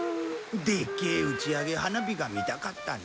でっけえ打ち上げ花火が見たかったな。